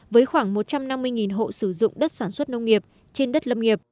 với khoảng một trăm năm mươi hộ sử dụng đất sản xuất nông nghiệp trên đất lâm nghiệp